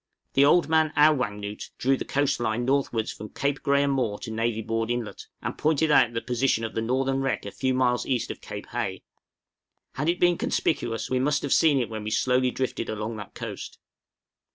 The old man, Ow wang noot, drew the coast line northwards from Cape Graham Moore to Navy Board Inlet, and pointed out the position of the northern wreck a few miles east of Cape Hay. Had it been conspicuous, we must have seen it when we slowly drifted along that coast.